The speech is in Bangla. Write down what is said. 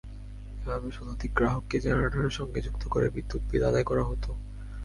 এভাবে শতাধিক গ্রাহককে জেনারেটরের সঙ্গে যুক্ত করে বিদ্যুৎ বিল আদায় করা হতো।